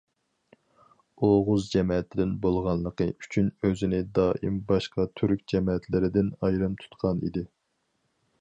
ئوغۇز جەمەتىدىن بولغانلىقى ئۈچۈن ئۆزىنى دائىم باشقا تۈرك جەمەتلىرىدىن ئايرىم تۇتقان ئىدى.